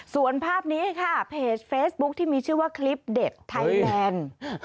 ส่วนภาพนี้ค่ะเพจเฟซบุ๊คที่มีชื่อว่าคลิปเด็ดไทยแลนด์